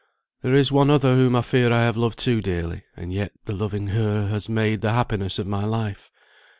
There is one other whom I fear I have loved too dearly; and yet, the loving her has made the happiness of my life.